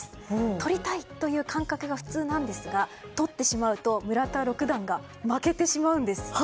とりたいという感覚が普通ですがとってしまうと村田六段が負けてしまうんです。